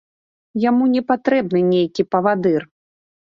Яму не патрэбны нейкі павадыр.